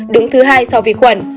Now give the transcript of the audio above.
đứng thứ hai sau vi khuẩn